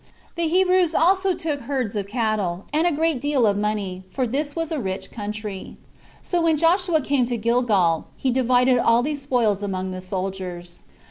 The Hebrews also took herds of cattle, and a great deal of money, for this was a rich country. So when Joshua came to Gilgal, he divided all these spoils among the soldiers.